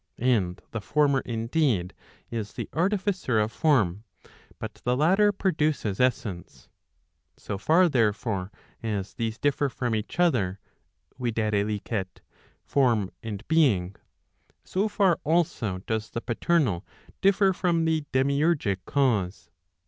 And the former indeed, is the artificer of form, but the latter produces essence. So far therefore, as these differ from each other, viz. form and being, so far also does the paternal differ from the demiurgic cause.